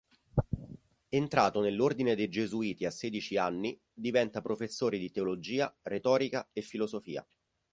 Entrato nell'ordine dei Gesuiti a sedici anni, diventa professore di teologia, retorica e filosofia.